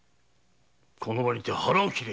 この場にて腹を切れ！